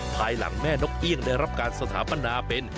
ภายหลังแม่นกเอี่ยงได้รับการสถาปนาเป็น